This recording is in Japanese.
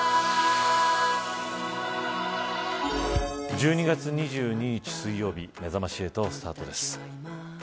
１２月２２日水曜日めざまし８スタートです。